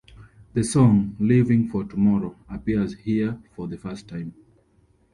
The song "Living for Tomorrow" appears here for the first time.